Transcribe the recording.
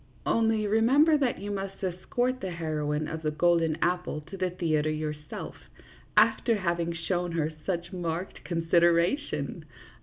"Only remember that you must escort the heroine of the golden apple to the theatre yourself, after having shown her such marked consideration.